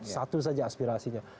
satu saja aspirasinya